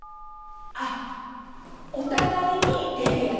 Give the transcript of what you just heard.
あっお互いに出るやつ。